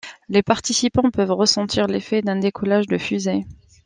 Les participants peuvent ressentir l'effet d'un décollage de fusée.